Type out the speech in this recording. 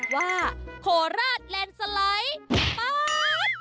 โคราชแลนด์สไลด์ป๊าด